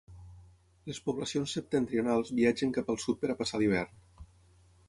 Les poblacions septentrionals viatgen cap al sud per a passar l'hivern.